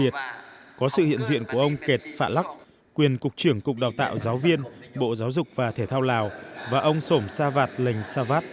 tổng cục đào tạo giáo viên bộ giáo dục và thể thao lào và ông sổm sa vạt lênh sa vạt